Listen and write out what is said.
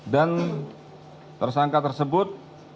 dan tersangka tersebut